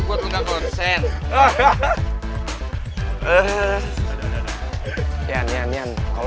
lu tutupin jalanan doang lu